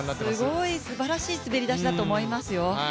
すごい、すばらしい滑りだしだと思いますよ。